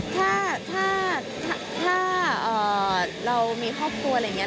ถ้าเรามีครอบครัวอะไรอย่างนี้